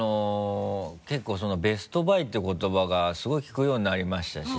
結構「ベストバイ」って言葉がすごい聞くようになりましたし。